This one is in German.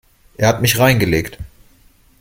Er hat mich reingelegt.